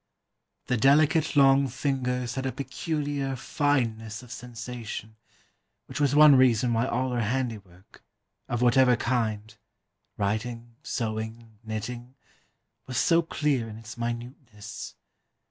The delicate long fingers had a peculiar fineness of sensation, which was one reason why all her handiwork, of whatever kind writing, sewing, knitting, was so clear in its minuteness.